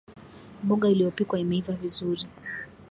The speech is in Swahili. Mboga iliyopikwa imeiva vizuri